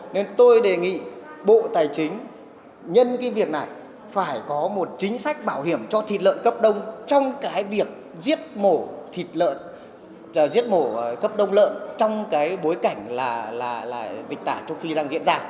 nên tôi đề nghị bộ tài chính nhân cái việc này phải có một chính sách bảo hiểm cho thịt lợn cấp đông trong cái việc giết mổ thịt lợn giết mổ cấp đông lợn trong cái bối cảnh là dịch tả châu phi đang diễn ra